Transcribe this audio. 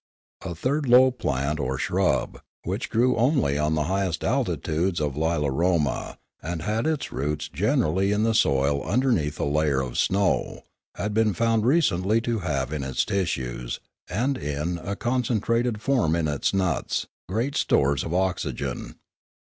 A third low plant or shrub, which grew only on the highest altitudes of Lilaroma, and had its roots generally in the soil under neath a layer of snow, had been found recently to have in its tissues, and in a concentrated form in its nuts, great stores of oxygen.